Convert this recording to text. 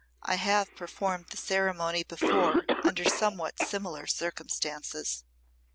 "I have performed the ceremony before under somewhat similar circumstances."